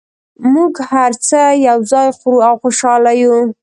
موږ هر څه یو ځای خورو او خوشحاله یو